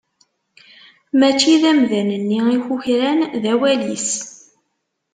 Mačči d amdan-nni i kukran, d awal-is.